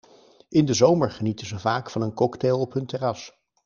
In de zomer genieten ze vaak van een cocktail op hun terras.